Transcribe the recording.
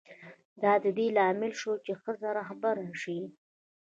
دا د دې لامل شو چې ښځه رهبره شي.